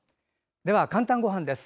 では「かんたんごはん」です。